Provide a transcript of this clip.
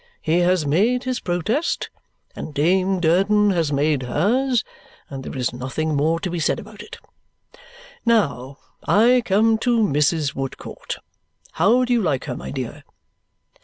He has made his protest, and Dame Durden has made hers, and there is nothing more to be said about it. Now I come to Mrs. Woodcourt. How do you like her, my dear?"